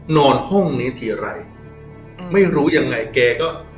นอนห้องนี้ทีไรไม่รู้ยังไงแกก็